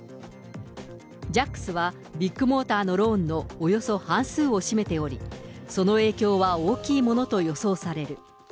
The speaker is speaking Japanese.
ジャックスは、ビッグモーターのローンのおよそ半数を占めており、その影響は大きいものと予想される。